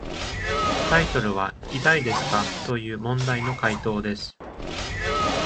タイトルは、「痛いですか」という問題の回答です。